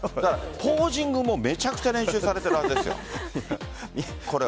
ポージングもめちゃくちゃ練習されているはずですよ。